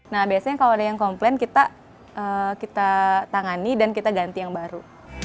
nah biasanya kalau ada yang komplain kita tangani dan kita ganti yang baru